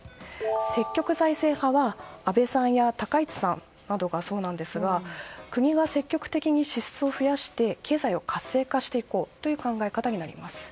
積極財政派は安倍さんや高市さんなどがそうなんですが国が積極的に支出を増やして経済を活性化していこうという考え方になります。